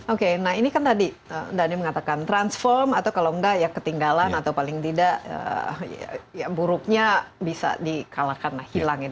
oke nah ini kan tadi dhani mengatakan transform atau kalau enggak ya ketinggalan atau paling tidak buruknya bisa dikalahkan hilangin